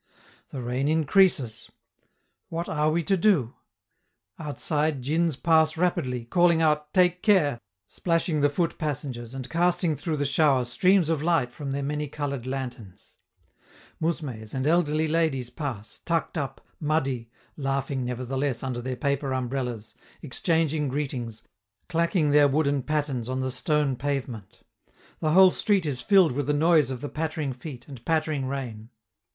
The rain increases; what are we to do? Outside, djins pass rapidly, calling out: "Take care!" splashing the foot passengers and casting through the shower streams of light from their many colored lanterns. Mousmes and elderly ladies pass, tucked up, muddy, laughing nevertheless under their paper umbrellas, exchanging greetings, clacking their wooden pattens on the stone pavement. The whole street is filled with the noise of the pattering feet and pattering rain.